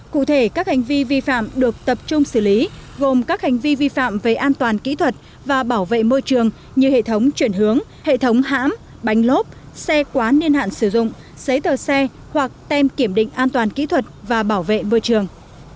cụ thể các hành vi vi phạm được tập trung xử lý gồm các hành vi vi phạm về an toàn kỹ thuật và bảo vệ môi trường như hệ thống chuyển hướng hệ thống hãm bánh lốp xe quá niên hạn sử dụng giấy tờ xe hoặc tem kiểm định an toàn kỹ thuật và bảo vệ môi trường